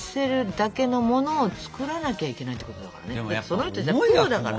その人たちプロだから。